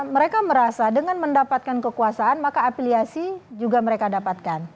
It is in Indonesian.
mereka merasa dengan mendapatkan kekuasaan maka afiliasi juga mereka dapatkan